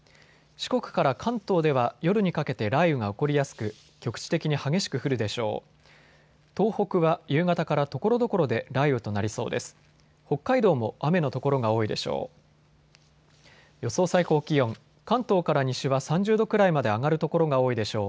四国から関東では夜にかけて雷雨が起こりやすく局地的に激しく降るでしょう。